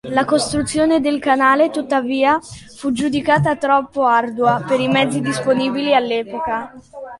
La costruzione del canale, tuttavia, fu giudicata troppo ardua per i mezzi disponibili all'epoca.